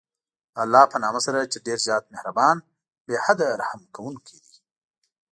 د الله په نامه سره چې ډېر زیات مهربان، بې حده رحم كوونكى دى.